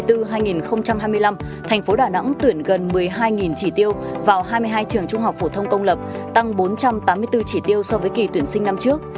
trong năm học hai nghìn hai mươi bốn hai nghìn hai mươi năm tp đà nẵng tuyển gần một mươi hai chỉ tiêu vào hai mươi hai trường trung học phổ thông công lập tăng bốn trăm tám mươi bốn chỉ tiêu so với kỳ tuyển sinh năm trước